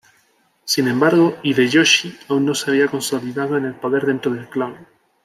Sin embargo, Hideyoshi aún no se había consolidado en el poder dentro del clan.